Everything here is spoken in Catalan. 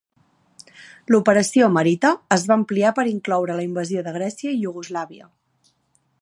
L'operació "Marita" es va ampliar per incloure la invasió de Grècia i Iugoslàvia.